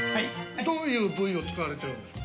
どういう部位を使われてるんですか。